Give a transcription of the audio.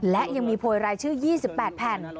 และยังมีโพยรายชื่อ๒๘แผ่น